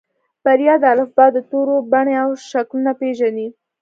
بريا د الفبا د تورو بڼې او شکلونه پېژني.